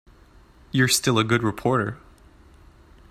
You're still a good reporter.